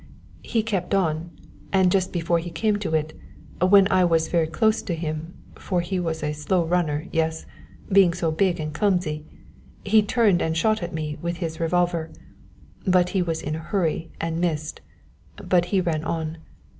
He kept on, and just before he came to it, when I was very close to him, for he was a slow runner yes? being so big and clumsy, he turned and shot at me with his revolver, but he was in a hurry and missed; but he ran on.